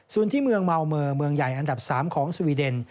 ส่วนที่เมืองเมาเมอร์เมืองใหญ่อันดับ๓ของสวีเดน